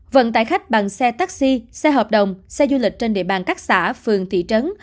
vận tải khách bằng xe taxi xe hợp đồng xe du lịch trên địa bàn các xã phường thị trấn